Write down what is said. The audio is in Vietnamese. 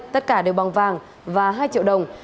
tất cả đều bằng vàng và hai triệu đồng